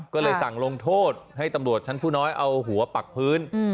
ก็เลยสั่งลงโทษให้ตำรวจชั้นผู้น้อยเอาหัวปักพื้น